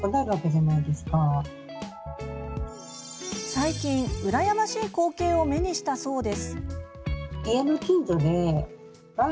最近、羨ましい光景を目にしたそうで。